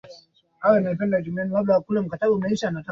Ni miongoni mwa nchi zenye fukwe nzuri na za kuvutia Afrika